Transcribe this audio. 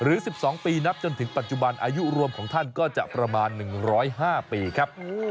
๑๒ปีนับจนถึงปัจจุบันอายุรวมของท่านก็จะประมาณ๑๐๕ปีครับ